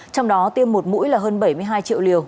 trong đó tiêm một mũi là hơn bảy mươi hai triệu liều